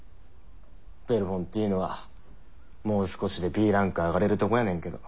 ベルフォンティーヌはもう少しでＢランク上がれるとこやねんけど。